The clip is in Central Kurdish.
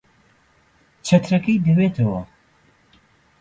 چەترەکەی دەوێتەوە.